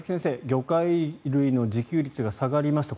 魚介類の自給率が下がりました。